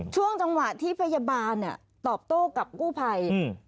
ช่วงจังหวะที่พยาบาลเนี่ยตอบโต้กับกู้ภัย